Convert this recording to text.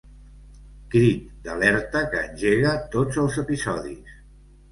Crit d'alerta que engega tots els episodis.